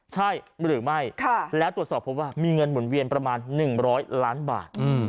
ใช่หรือไม่แล้วตรวจสอบพบว่ามีเงินหมุนเวียนประมาณ๑๐๐ล้านบาท